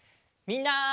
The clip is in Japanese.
みんな！